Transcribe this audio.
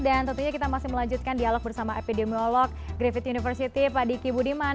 dan tentunya kita masih melanjutkan dialog bersama epidemiolog griffith university pak diki budiman